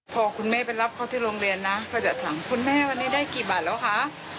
พอคุณแม่ไปรับเขาที่โรงเรียนนะก็จะถามคุณแม่วันนี้ได้กี่บาทแล้วคะ